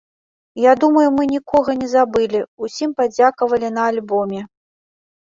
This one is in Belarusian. Я думаю, мы нікога не забылі, усім падзякавалі на альбоме.